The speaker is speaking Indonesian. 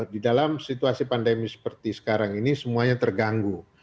di dalam situasi pandemi seperti sekarang ini semuanya terganggu